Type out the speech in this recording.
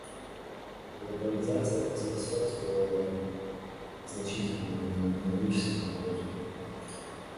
Глобализация поспособствовала значительному экономическому росту.